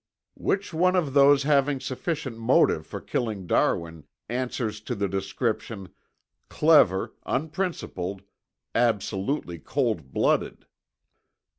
"Which one of those having sufficient motive for killing Darwin answers to the description: Clever, unprincipled, absolutely cold blooded?"